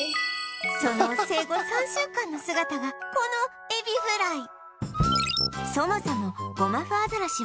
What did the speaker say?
その生後３週間の姿がこのエビフライ